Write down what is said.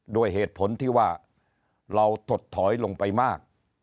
ด้วยเหตุผลที่ว่าเราถดถอยลงไปมาก